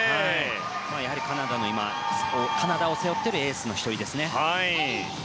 やはり今、カナダを背負っているエースの１人ですね。